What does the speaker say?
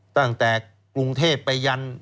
ตั้งแต่กรุงเทพไปยัน